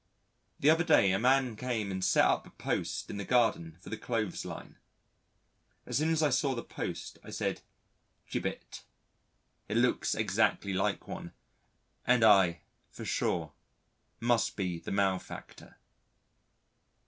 The other day a man came and set up a post in the garden for the clothes' line. As soon as I saw the post I said "gibbet" it looks exactly like one, and I, for sure, must be the malefactor.